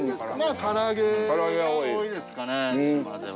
唐揚げが多いですかね、島では。